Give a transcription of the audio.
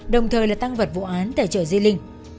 đồng thời là tăng vật vụ án tại chợ di linh